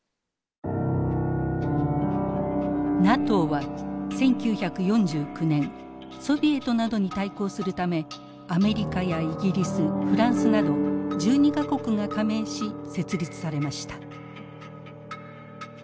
ＮＡＴＯは１９４９年ソビエトなどに対抗するためアメリカやイギリスフランスなど１２か国が加盟し設立されました。